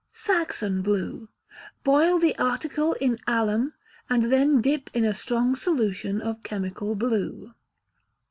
Saxon Blue. Boil the article in alum, and then dip in a strong solution of chemical blue.